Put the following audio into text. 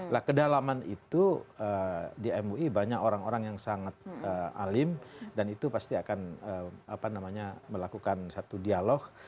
nah kedalaman itu di mui banyak orang orang yang sangat alim dan itu pasti akan melakukan satu dialog